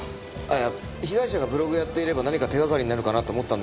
いや被害者がブログをやっていれば何か手掛かりになるかなと思ったんですけど